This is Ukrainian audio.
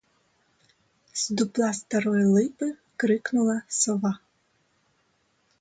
З дупла старої липи крикнула сова.